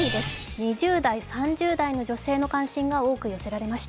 ２０代、３０代の女性の関心が多く寄せられました。